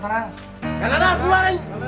kan ada aku luarin